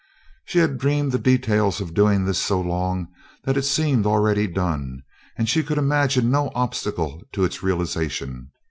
She had dreamed the details of doing this so long that it seemed already done, and she could imagine no obstacle to its realization.